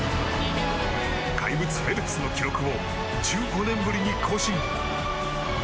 怪物フェルプスの記録を１５年ぶりに更新。